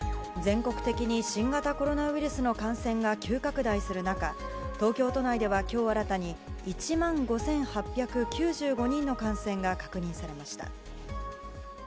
全国的に新型コロナウイルスの感染が急拡大する中東京都内では今日新たに１万５８９５人の感染が確認されました。